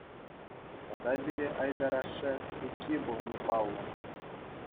Тата пире Айтар ашшӗ Тукки пулни паллӑ.